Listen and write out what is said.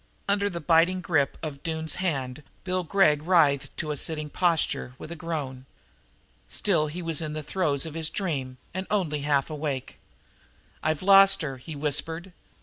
Under the biting grip of Doone's hand Bill Gregg writhed to a sitting posture, with a groan. Still he was in the throes of his dream and only half awakened. "I've lost her," he whispered.